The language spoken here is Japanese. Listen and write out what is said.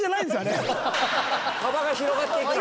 幅が広がっていくの。